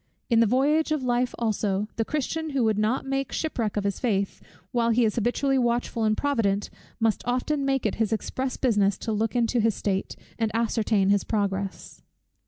In the voyage of life also the Christian who would not make shipwreck of his faith, while he is habitually watchful and provident, must often make it his express business to look into his state, and ascertain his progress.